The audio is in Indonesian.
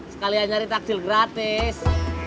sekalian nyari takdir gratis